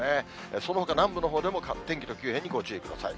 そのほか南部のほうでも天気の急変にご注意ください。